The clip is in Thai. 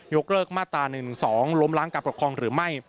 กเลิกมาตรา๑๑๒ล้มล้างการปกครองหรือไม่